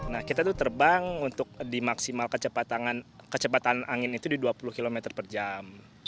nah kita tuh terbang untuk di maksimal kecepatan angin itu di dua puluh km per jam